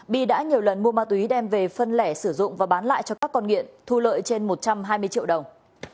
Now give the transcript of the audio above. bi đã nhiều lần mua ma túy đem về phân lẻ sử dụng và bán lại cho các con nghiện thu lợi trên một trăm hai mươi triệu đồng